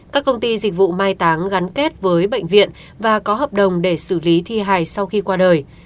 các công ty dịch vụ mai táng gắn kết với bệnh viện và có hợp đồng để xử lý thi hài sau khi qua đời